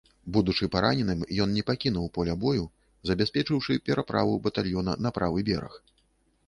Будучы параненым, ён не пакінуў поля бою, забяспечыўшы пераправу батальёна на правы бераг.